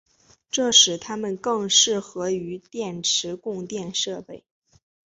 这使它们更适合于电池供电设备。